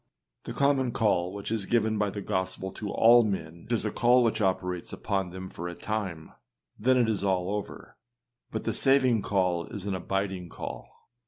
â The common call which is given by the gospel to all men is a call which operates upon them for a time, and then it is all over; but the saving call is an abiding call.